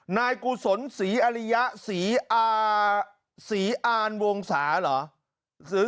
นายกูศลบศรีอารวงศาหรอหรือ